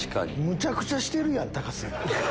むちゃくちゃしてるやん高杉君。